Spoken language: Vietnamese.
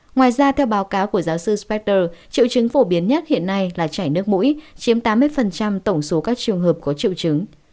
ngoài ra theo báo cáo của giáo sư spactor triệu chứng phổ biến nhất hiện nay là chảy nước mũi chiếm tám mươi tổng số các trường hợp có triệu chứng